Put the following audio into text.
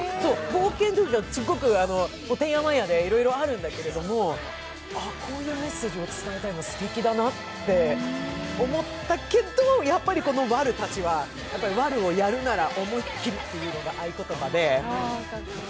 冒険のときは、てんやわんやで、すごくいろいろあるんだけれどもあ、こんなメッセージを伝えたいのすてきだなと思ったけど、やっぱりワルたちは、ワルをやるなら思いっきりというのが合言葉で。